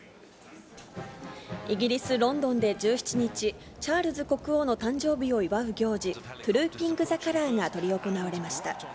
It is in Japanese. イギリス・ロンドンで１７日、チャールズ国王の誕生日を祝う行事、トゥルーピング・ザ・カラーが執り行われました。